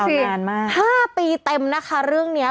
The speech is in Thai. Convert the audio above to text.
นานมาก๕ปีเต็มนะคะเรื่องนี้